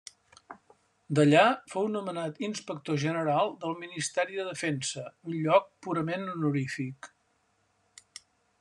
D'allà fou nomenat Inspector General del Ministeri de Defensa, un lloc purament honorífic.